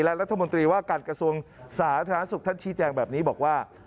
และรัฐมนตรีว่าการกระทรวงสาธารณสุขท่านชี้แจงแบบนี้บอกว่า